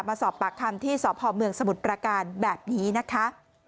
มาสอบปากคำที่สพเมืองสมุทรประการแบบนี้นะคะ